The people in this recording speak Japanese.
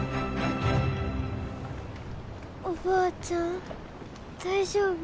おばあちゃん大丈夫？